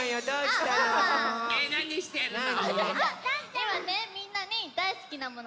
いまねみんなにだいすきなものきいてたんだ。